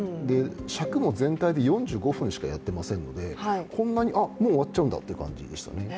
尺も全体で４５分しかやってないのでこんなに、あ、もう終わっちゃうんだという感じでしたね。